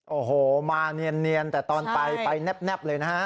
โอ้โหมาเนียนแต่ตอนไปไปแนบเลยนะฮะ